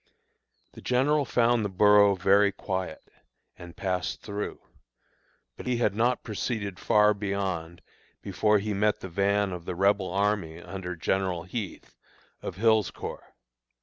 The general found the borough very quiet, and passed through; but he had not proceeded far beyond before he met the van of the Rebel army under General Heth, of Hill's Corps.